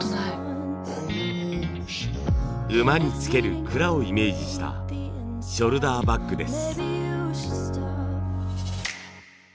馬に付ける鞍をイメージしたショルダーバッグです。